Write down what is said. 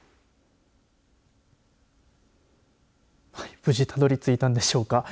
無事たどり着いたんでしょうか。